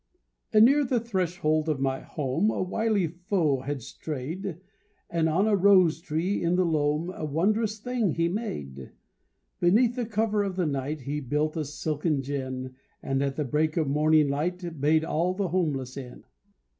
Anear the threshold of my home A wily foe had strayed, And on a rose tree in the loam A wondrous thing he made; Beneath the cover of the night He built a silken gin, And at the break of morning light Bade all the homeless in.